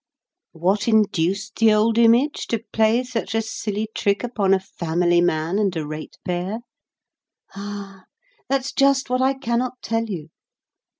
"What induced the old image to play such a silly trick upon a family man and a ratepayer?" Ah! that's just what I cannot tell you.